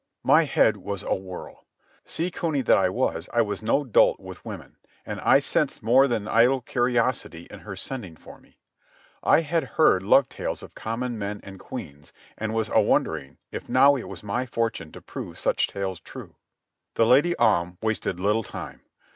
My head was awhirl. Sea cuny that I was, I was no dolt with women, and I sensed more than idle curiosity in her sending for me. I had heard love tales of common men and queens, and was a wondering if now it was my fortune to prove such tales true. The Lady Om wasted little time.